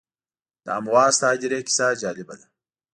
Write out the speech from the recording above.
د امواس د هدیرې کیسه جالبه ده.